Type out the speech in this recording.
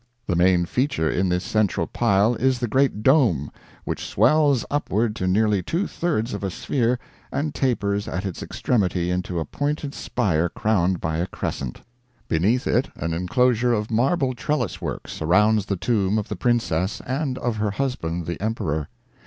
The main feature in this central pile is the great dome, which swells upward to nearly two thirds of a sphere and tapers at its extremity into a pointed spire crowned by a crescent. Beneath it an enclosure of marble trellis work surrounds the tomb of the princess and of her husband, the Emperor.